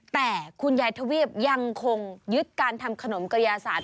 แต่คุณยายทวีปยังคงยึดการทำขนมกระยาศาสต